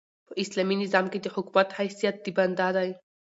په اسلامي نظام کښي د حکومت حیثیت د بنده دئ.